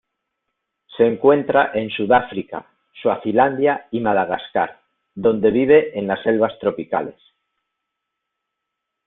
Se encuentra en Sudáfrica, Suazilandia y Madagascar, donde vive en las selvas tropicales.